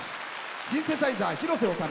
シンセサイザー、広瀬修。